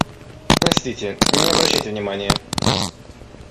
Простите, не обращайте внимания.